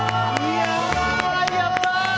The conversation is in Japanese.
やったー！